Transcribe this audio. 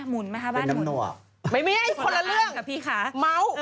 หมุนไหมคะบ้านเป็นน้ำหน่อไม่มีคนละเรื่องค่ะพี่ค่ะเมา